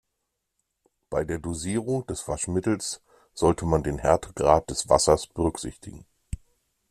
Bei der Dosierung des Waschmittels sollte man den Härtegrad des Wassers berücksichtigen.